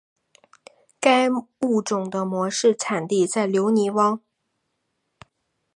该物种的模式产地在留尼汪。